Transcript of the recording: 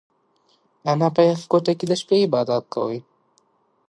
انا په یخه کوټه کې د شپې عبادت پیل کړ.